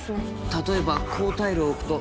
例えばこうタイルを置くと